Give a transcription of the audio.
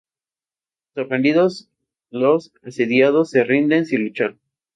Sorprendidos, los asediados se rinden sin luchar.